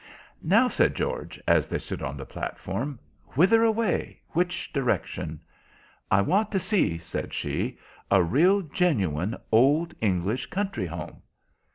"Now," said George, as they stood on the platform, "whither away? Which direction?" "I want to see," said she, "a real, genuine, old English country home."